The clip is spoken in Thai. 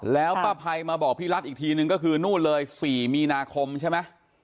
แล้วป้าภัยมาบอกพี่รัฐอีกทีนึงก็คือนู่นเลย๔มีนาคมใช่ไหม